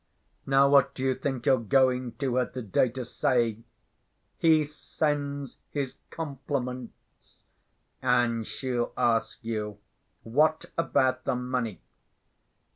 Now what do you think you're going to her to‐day to say? 'He sends his compliments,' and she'll ask you, 'What about the money?